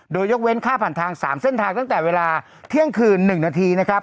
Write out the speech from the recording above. โดยยกเว้นค่าผ่านทาง๓เส้นทางตั้งแต่เวลาเที่ยงคืน๑นาทีนะครับ